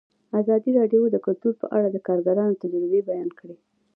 ازادي راډیو د کلتور په اړه د کارګرانو تجربې بیان کړي.